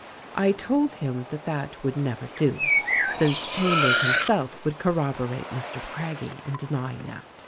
I told him that that would never do, since Chambers him self would corroborate Mr. Craggie in denying that.